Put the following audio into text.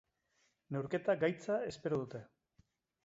Neurketa gaitza espero dute.